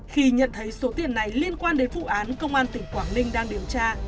khi nhận thấy số tiền này liên quan đến vụ án công an tỉnh quảng ninh đang điều tra